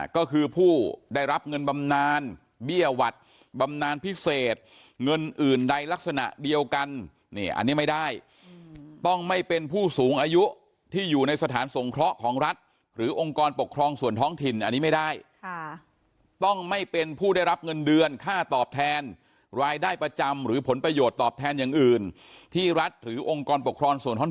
ก็คือผู้ได้รับเงินบำนานเบี้ยหวัดบำนานพิเศษเงินอื่นใดลักษณะเดียวกันนี่อันนี้ไม่ได้ต้องไม่เป็นผู้สูงอายุที่อยู่ในสถานสงเคราะห์ของรัฐหรือองค์กรปกครองส่วนท้องถิ่นอันนี้ไม่ได้ต้องไม่เป็นผู้ได้รับเงินเดือนค่าตอบแทนรายได้ประจำหรือผลประโยชน์ตอบแทนอย่างอื่นที่รัฐหรือองค์กรปกครองส่วนท้อง